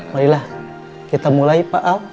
marilah kita mulai pak al